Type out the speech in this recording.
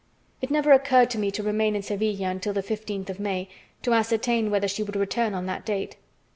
It never occurred to me to remain in Sevilla until the fifteenth of May to ascertain whether she would return on that date.